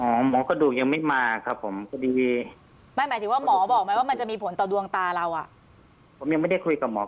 อ๋อหมอกระดูกยังไม่มาครับผมก็ดี